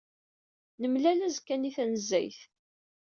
Nemlal azekka-nni tanezzayt.